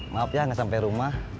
maaf ya nggak sampai rumah